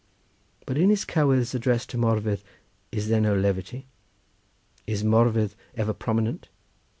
But in his cowydds addressed to Morfudd is there no levity? Is Morfudd ever prominent?